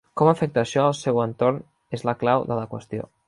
Com afecta això al seu entorn és la clau de la qüestió.